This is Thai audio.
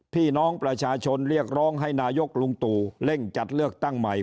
พี่น้องประชาชนเรียกร้องให้นายกลุงตู่เร่งจัดเลือกตั้งใหม่